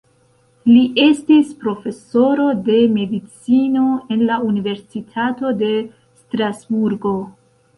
Li estis profesoro de medicino en la Universitato de Strasburgo.